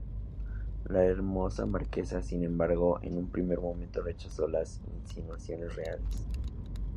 La hermosa marquesa, sin embargo, en un primer momento rechazó las insinuaciones reales.